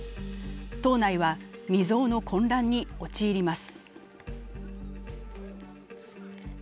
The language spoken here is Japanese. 党内は未曾有の混乱に陥ります。